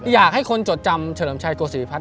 อยากให้คนจดจำเฉลิมชัยโกศิพัฒ